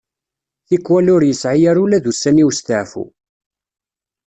Tikwal ur yesɛi ara ula d ussan i usteɛfu.